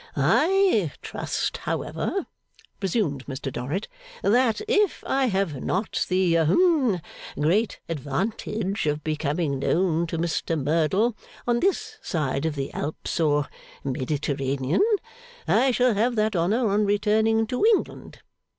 'I trust, however,' resumed Mr Dorrit, 'that if I have not the hum great advantage of becoming known to Mr Merdle on this side of the Alps or Mediterranean, I shall have that honour on returning to England.